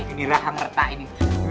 gini lahang rata ini